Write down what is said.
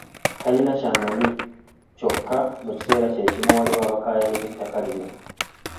Talina ky’amanyi kyokka mu kiseera kye kimu waliwo abakaayanira ettaka lino.